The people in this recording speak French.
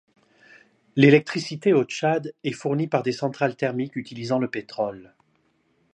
L'électricité au Tchad est fournie par des centrales thermiques utilisant le pétrole.